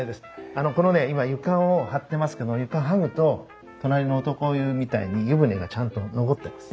あのこのね今床を張ってますけど床剥ぐと隣の男湯みたいに湯船がちゃんと残ってます。